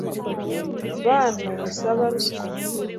Bantu musaba ruswa